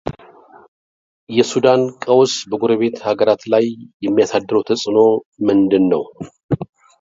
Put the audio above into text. የሱዳን ቀውስ በጎረቤት አገራት ላይ የሚያሳድረው ተጽዕኖ ምንድን ነው?